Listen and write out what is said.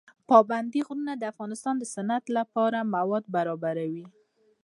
پابندی غرونه د افغانستان د صنعت لپاره مواد برابروي.